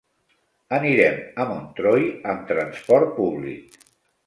Anirem a Montroi amb transport públic.